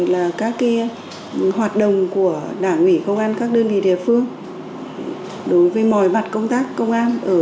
và các hoạt động của đảng ủy công an các đơn vị địa phương